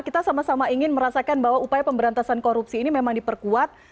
kita sama sama ingin merasakan bahwa upaya pemberantasan korupsi ini memang diperkuat